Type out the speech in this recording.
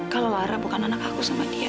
kalau ara bukan anak aku sama dia